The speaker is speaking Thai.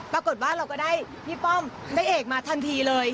ปรากฏว่าเราก็ได้พี่ป้อมพระเอกมาทันทีเลย